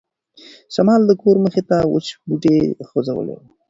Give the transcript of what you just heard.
شمال د کور مخې ته وچ بوټي خوځولي وو.